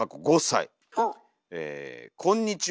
こんにちは。